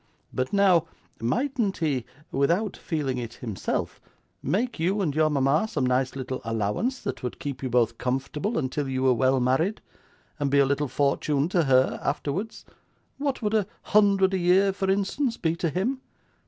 But, now, mightn't he, without feeling it himself, make you and your mama some nice little allowance that would keep you both comfortable until you were well married, and be a little fortune to her afterwards? What would a hundred a year for instance, be to him?